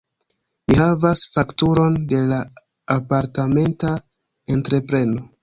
Mi havas fakturon de la apartamenta entrepreno.